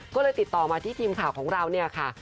ก็เลยติดต่อมาที่ทีมข่าวของเรา